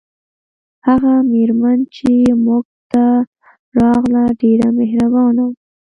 هغه میرمن چې موږ ته راغله ډیره مهربانه وه